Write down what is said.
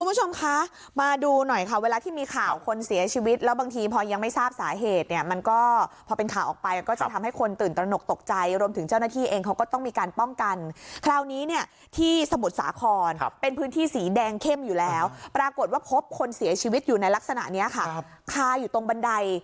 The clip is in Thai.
คุณผู้ชมคะมาดูหน่อยค่ะเวลาที่มีข่าวคนเสียชีวิตแล้วบางทีพอยังไม่ทราบสาเหตุเนี่ยมันก็พอเป็นข่าวออกไปก็จะทำให้คนตื่นตระหนกตกใจรวมถึงเจ้าหน้าที่เองเขาก็ต้องมีการป้องกันคราวนี้เนี่ยที่สมุทรสาครเป็นพื้นที่สีแดงเข้มอยู่แล้วปรากฏว่าพบคนเสียชีวิตอยู่ในลักษณะนี้ค่ะคาอยู่ตรงบันได